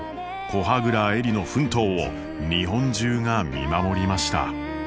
古波蔵恵里の奮闘を日本中が見守りました。